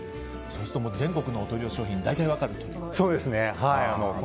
そうすると全国のお取り寄せ商品が大体分かると。